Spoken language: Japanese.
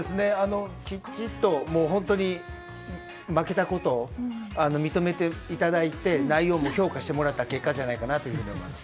きちっと本当に負けたことを認めていただいて内容も評価していただいた結果じゃないかと思います。